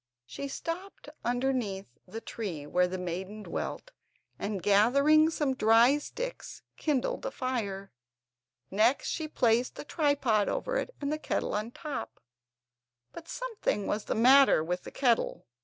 She stopped underneath the tree where the maiden dwelt and, gathering some dry sticks, kindled a fire. Next, she placed the tripod over it, and the kettle on top. But something was the matter with the kettle.